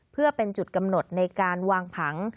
เพื่อเป็นจุดกำหนดในการวางผัง